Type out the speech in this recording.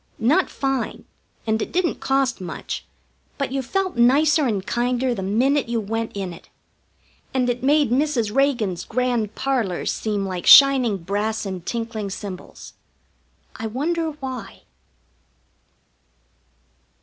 Not fine, and it didn't cost much, but you felt nicer and kinder the minute you went in it. And it made Mrs. Reagan's grand parlors seem like shining brass and tinkling cymbals. I wonder why?